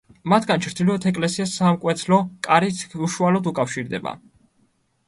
მათგან ჩრდილოეთ ეკლესიას სამკვეთლო კარით უშუალოდ უკავშირდება.